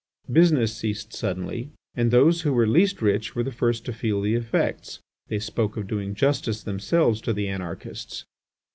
Business ceased suddenly, and those who were least rich were the first to feel the effects. They spoke of doing justice themselves to the anarchists.